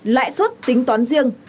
lãi suất tính toán riêng